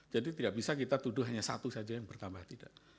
jadi tidak bisa kita tuduh hanya satu saja yang bertambah tidak